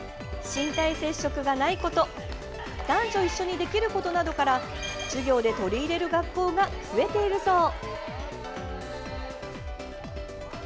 身体接触がないこと男女一緒にできることなどから授業で取り入れる学校が増えているそう。